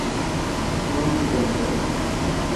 Muy localizada.